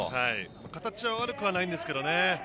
形は悪くないんですけどね。